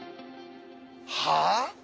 はあ？